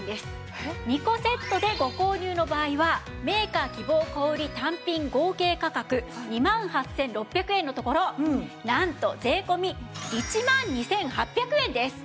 ２個セットでご購入の場合はメーカー希望小売単品合計価格２万８６００円のところなんと税込１万２８００円です。